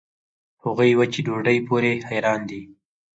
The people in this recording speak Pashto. هغوي وچې ډوډوۍ پورې حېران دي.